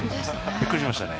びっくりしましたね。